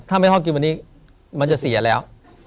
ถ้าไม่ห้องกินวันนี้มันจะเสียแล้ว